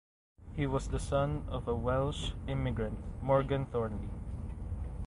He was the son of a Welsh immigrant Morgan Thornley.